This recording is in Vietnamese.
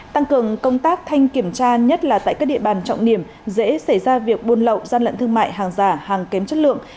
tăng cường công tác thanh kiểm tra nhất là tại các địa bàn trọng điểm dễ xảy ra việc buôn lậu gian lận thương mại hàng giả hàng kém chất lượng